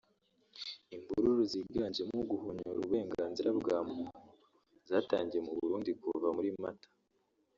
Imvururu ziganjemo guhonyora uburenganzira bwa muntu zatangiye mu Burundi kuva muri Mata